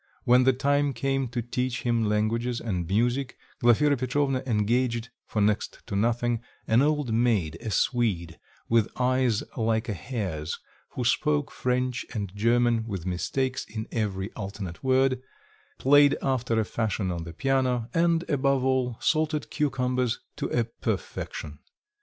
When the time came to teach him languages and music, Glafira Petrovna engaged, for next to nothing, an old maid, a Swede, with eyes like a hare's, who spoke French and German with mistakes in every alternate word, played after a fashion on the piano, and above all, salted cucumbers to a perfection.